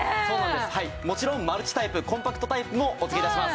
もちろんマルチタイプコンパクトタイプもお付け致します。